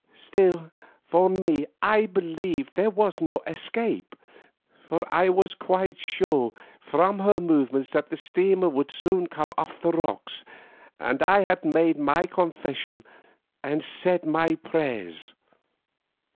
Still, for me I believed there was no escape, for I was quite sure from her movements that the steamer would soon come off the rocks, and I had made my confession and said my prayers.